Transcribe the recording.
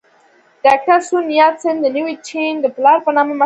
ډاکټر سون یات سن د نوي چین د پلار په نامه مشهور و.